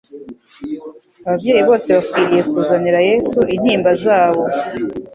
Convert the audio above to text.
Ababyeyi bose bakwiriye kuzanira Yesu intimba zabo.